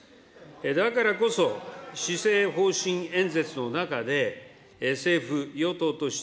だからこそ、施政方針演説の中で政府・与党として、